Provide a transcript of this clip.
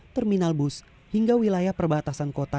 terminal bus hingga wilayah perbatasan kota